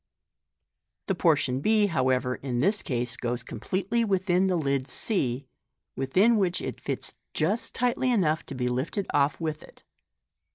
The portion 6, however, in this case goes completely within the lid c, within which it fits just tightly enough to be lifted off with it.